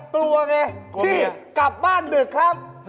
พี่กลับบ้านดึกครับ